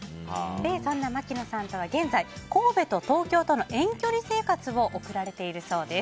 そんな槙野さんとは現在神戸と東京との遠距離生活を送られているそうです。